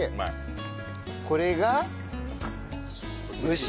これが蒸し。